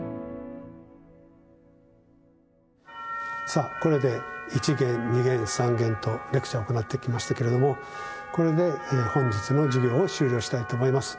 さあこれで一限二限三限とレクチャーを行ってきましたけれどもこれで本日の授業を終了したいと思います。